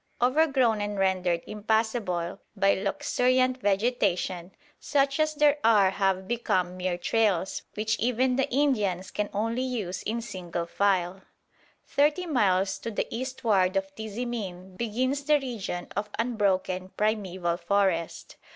Overgrown and rendered impassable by luxuriant vegetation, such as there are have become mere trails which even the Indians can only use in single file. Thirty miles to the eastward of Tizimin begins the region of unbroken primeval forest.